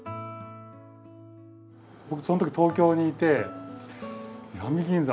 僕その時東京にいて石見銀山